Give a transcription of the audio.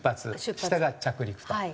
下が着陸と。